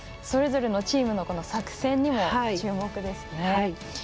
それぞれのチームの作戦にも注目ですね。